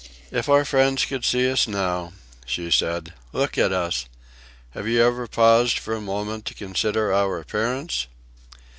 "If our friends could see us now," she said. "Look at us. Have you ever paused for a moment to consider our appearance?"